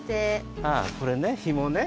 ああこれねひもね。